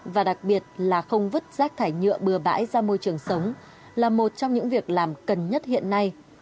và đặc biệt là không vứt rác thải nhựa bừa bãi ra môi trường sống là một trong những việc làm cần nhất hiện nay